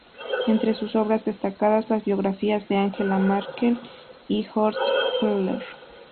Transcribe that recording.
Entre sus obras destacan las biografías de Angela Merkel y Horst Köhler.